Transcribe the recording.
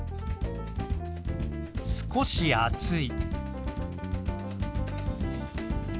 少し暑い。